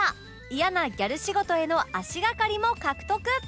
嫌なギャル仕事への足掛かりも獲得